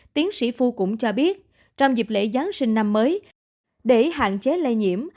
tiến sĩ phu cũng cho biết trong dịp lễ giáng sinh năm mới để hạn chế lây nhiễm